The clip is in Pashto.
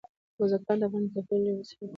بزګان د افغانانو د تفریح لپاره یوه وسیله ده.